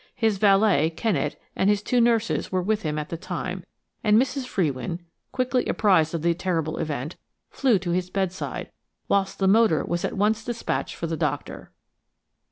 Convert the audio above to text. His valet, Kennet, and his two nurses were with him at the time, and Mrs. Frewin, quickly apprised of the terrible event, flew to his bedside, whilst the motor was at once despatched for the doctor.